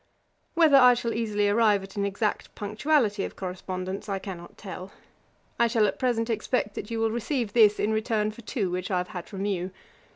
Whether I shall easily arrive at an exact punctuality of correspondence, I cannot tell. I shall, at present, expect that you will receive this in return for two which I have had from you.